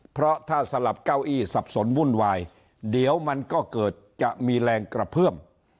เพราะถ้าสลับเก้าอี้สับสนวุ่นวายเดี๋ยวมันก็เกิดจะมีแรงกระเพื่อม